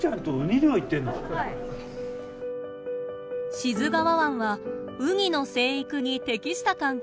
志津川湾はウニの成育に適した環境です。